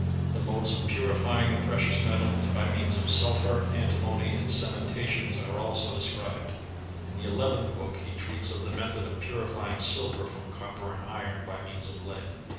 The modes of purifying the precious me tals by means of sulphur, antimony, and cemeutatiou^) 222 HISTOEY OF CHEMISTEY. are also described. In the eleventh book he treats of the method of puiifying silver from copper and iron, by means of lead.